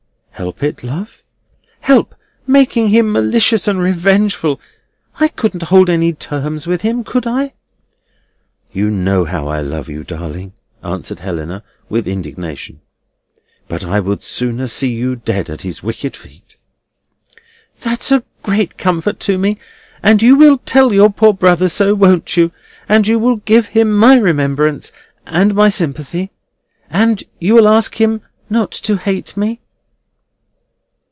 "Help it, love?" "Help making him malicious and revengeful. I couldn't hold any terms with him, could I?" "You know how I love you, darling," answered Helena, with indignation; "but I would sooner see you dead at his wicked feet." "That's a great comfort to me! And you will tell your poor brother so, won't you? And you will give him my remembrance and my sympathy? And you will ask him not to hate me?"